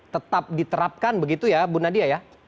tetap diterapkan begitu ya bu nadia ya